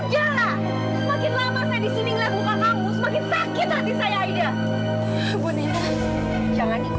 jelas jelas kamu sudah bohongin saya ida